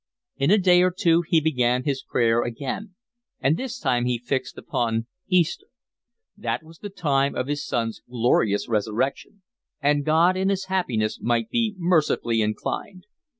In a day or two he began his prayer again, and this time he fixed upon Easter. That was the day of His Son's glorious resurrection, and God in His happiness might be mercifully inclined.